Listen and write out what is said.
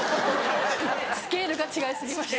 スケールが違い過ぎました。